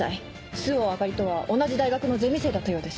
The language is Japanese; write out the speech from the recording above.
周防あかりとは同じ大学のゼミ生だったようです。